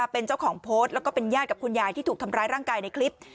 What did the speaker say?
เป็นเจ้าของโพสต์แล้วก็เป็นญาติกับคุณยายที่ถูกทำร้ายร่างกายในคลิป